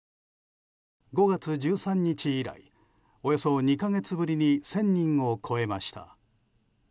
５月１３日以来およそ２か月ぶりに１０００人を超えました。